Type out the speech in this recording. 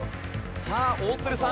さあ大鶴さん